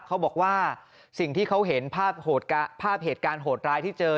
เขาบอกว่าสิ่งที่เขาเห็นภาพเหตุการณ์โหดร้ายที่เจอ